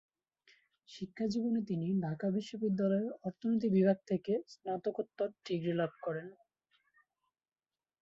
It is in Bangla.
শিক্ষাজীবনে তিনি ঢাকা বিশ্ববিদ্যালয়ের অর্থনীতি বিভাগ থেকে স্নাতকোত্তর ডিগ্রি লাভ করেন।